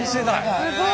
すごい。